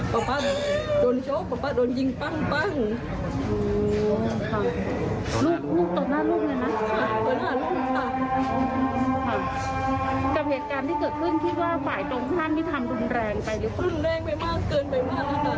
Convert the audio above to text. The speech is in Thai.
กับเหตุการณ์ที่เกิดขึ้นคิดว่าฝ่ายตรงท่านที่ทำรุนแรงไปหรือเปล่า